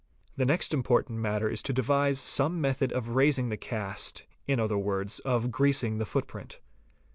The next important matter is to devise some method of raising the cast, in other words, of greasing the footprint.